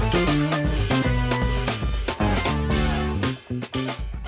โปรดติดตามตอนต่อไป